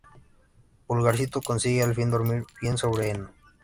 Pulgarcito consigue al fin dormir bien sobre heno.